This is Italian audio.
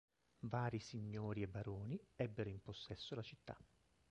Vari Signori e Baroni ebbero in possesso la città.